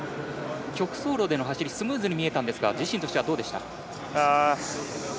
曲走路での走りはスムーズに見えたんですが自信としてはどうでしたか。